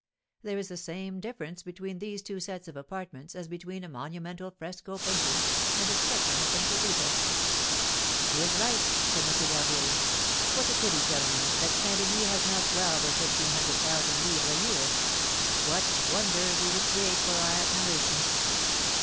There is the same difference between these two sets of apartments as between a monumental fresco painting and a sketch on a painter's easel." "He is right," said M. d'Harville. "What a pity, gentlemen, that Saint Remy has not twelve or fifteen hundred thousand livres a year! What wonders he would create for our admiration!"